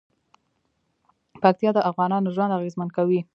پکتیا د افغانانو ژوند اغېزمن کوي.